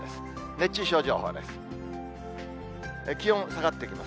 熱中症情報です。